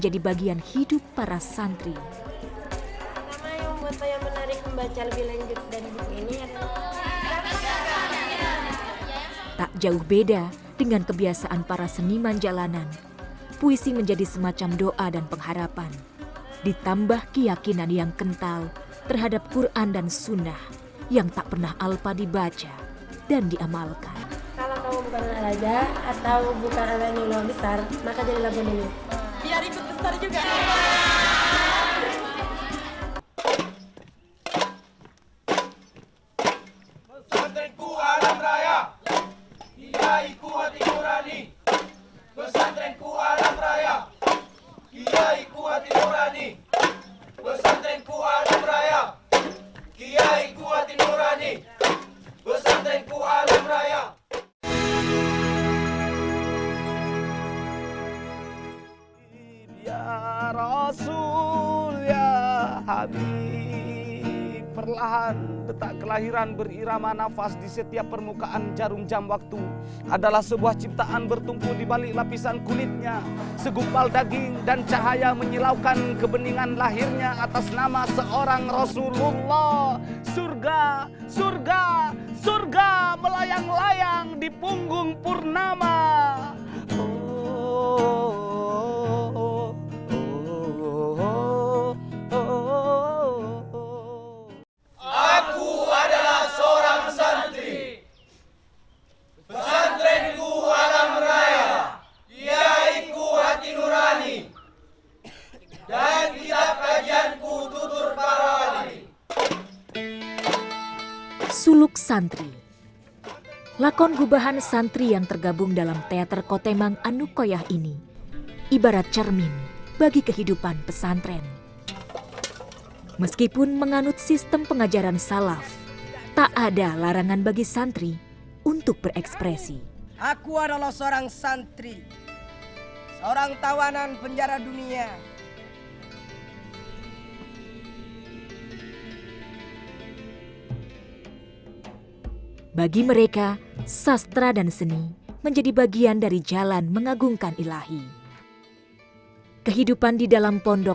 di pesantren juga kita diajarkan apa itu yang disebut dengan sanad